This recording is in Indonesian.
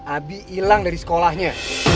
abi hilang dari sekolahnya